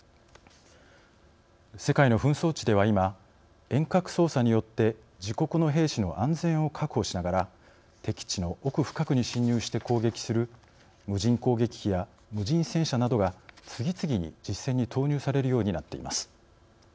世界の紛争地では今遠隔操作によって自国の兵士の安全を確保しながら敵地の奥深くに侵入して攻撃する無人攻撃機や無人戦車などが次々に実戦に投入されるようになっています。